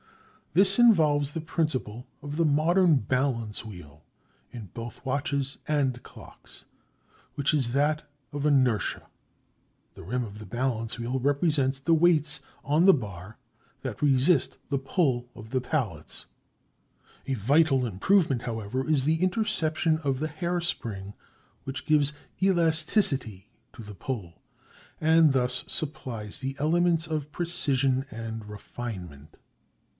This involves the principle of the modern balance wheel in both watches and clocks, which is that of inertia; the rim of the balance wheel represents the weights on the bar that resist the pull of the pallets. A vital improvement, however, is the interception of the hair spring which gives elasticity to the pull and thus supplies the elements of precision and refinement.